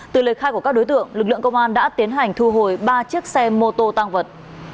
từ lời khai của các đối tượng lực lượng công an đã tiến hành thu hồi ba chiếc xe mô tô tăng vật